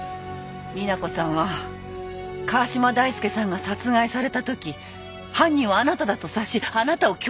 美奈子さんは川嶋大介さんが殺害されたとき犯人をあなただと察しあなたを脅迫した。